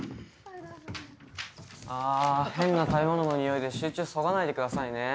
あ変な食べ物のニオイで集中そがないでくださいね。